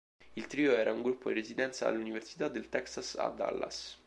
Il trio era un gruppo in residenza all'Università del Texas a Dallas.